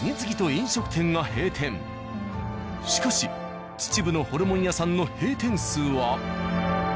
しかし秩父のホルモン屋さんの閉店数は。